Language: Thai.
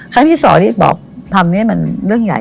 ครั้งที่สองที่บอกทำนี่มันเรื่องใหญ่